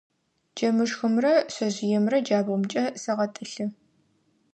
Джэмышхымрэ шъэжъыемрэ джабгъумкӏэ сэгъэтӏылъы.